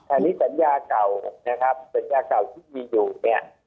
อันนี้สัญญาเก่านะครับสัญญาเก่าที่มีอยู่เนี่ย